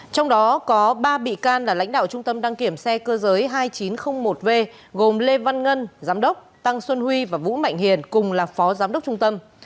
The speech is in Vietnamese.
trong đó có ba bị can là lãnh đạo trung tâm đăng kiểm xe cơ giới hai nghìn chín trăm linh một v gồm lê văn ngân giám đốc tăng xuân huy và vũ mạnh hiền cùng là phó giám đốc trung tâm